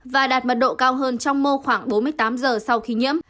và đạt mật độ cao hơn trong mô khoảng bốn mươi tám giờ sau khi nhiễm